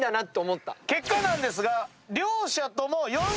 結果なんですが両者とも４５